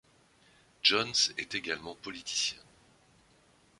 Jones est également politicien.